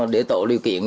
để tổ điều kiện